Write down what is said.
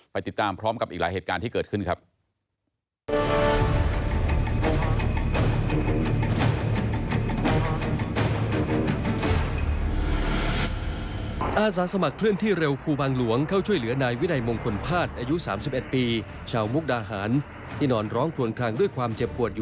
ติดตามพร้อมกับอีกหลายเหตุการณ์ที่เกิดขึ้นครับ